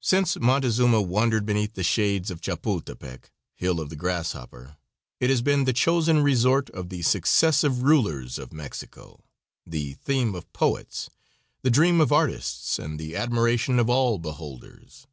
Since Montezuma wandered beneath the shades of Chapultepec "Hill of the Grasshopper" it has been the chosen resort of the successive rulers of Mexico the theme of poets, the dream of artists and the admiration of all beholders.